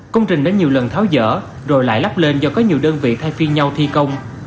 công trình đã nhiều lần tháo dở rồi lại lắp lên do có nhiều đơn vị thay phiên nhau thi công